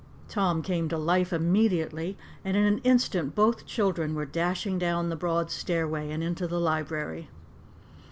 Tom came to life immediately, and in an instant both children were dashing down the broad stairway and into the library.